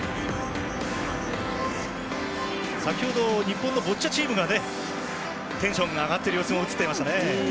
先ほど、日本のボッチャチームがテンションが上がっている様子も映っていました。